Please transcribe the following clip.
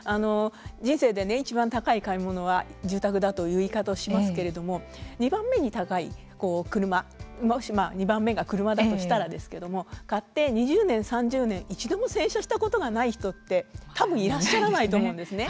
人生でいちばん高い買い物は住宅だという言い方をしますけれども２番目に高い車２番目が車だとしたらですけれども買って２０年、３０年一度も洗車をしたことがない人ってたぶんいらっしゃらないと思うんですね。